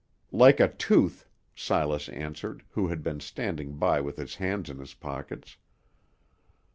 "Like a tooth," Silas answered, who had been standing by with his hands in his pockets.